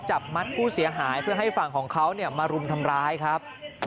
จับมัดผู้เสียหายเพื่อให้ฝั่งของเขามารุมทำร้ายครับ